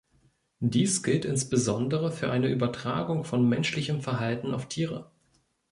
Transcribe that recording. Dies gilt insbesondere für eine Übertragung von menschlichem Verhalten auf Tiere.